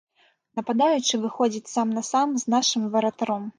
Нападаючы выходзіць сам на сам з нашым варатаром.